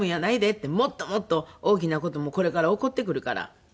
「もっともっと大きな事もこれから起こってくるから」。